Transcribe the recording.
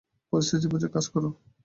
পরিস্থিতি বুঝে কাজ করো!